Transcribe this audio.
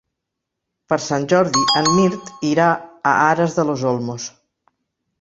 Per Sant Jordi en Mirt irà a Aras de los Olmos.